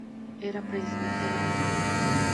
Era presbiteriano.